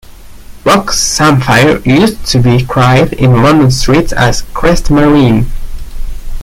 Rock samphire used to be cried in London streets as "Crest Marine".